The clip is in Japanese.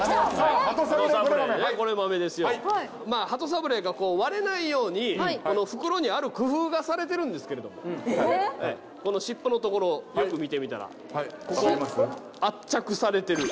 鳩サブレーが割れないように袋にある工夫がされてるんですけれどもこの尻尾の所よく見てみたらここ圧着されてる。